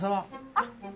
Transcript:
あっ。